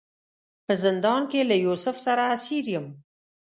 په زندان کې له یوسف سره اسیر یم.